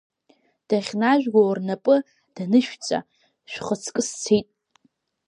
Дахьнажәго рнапы данышәҵа, шәхаҵкы сцеит.